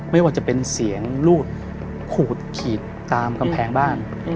ไม่ว่าจะเป็นเสียงรูดขูดขีดตามกำแพงบ้าน